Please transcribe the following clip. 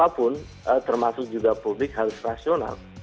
siapapun termasuk juga publik harus rasional